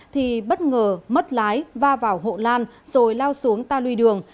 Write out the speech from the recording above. thì bất ngờ mất lái va vào hộ lan rồi lao xuống ta lùi đường